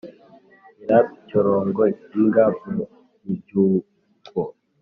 Nyirampyorongo-Imbwa mu mibyuko.